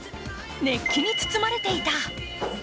熱気に包まれていた。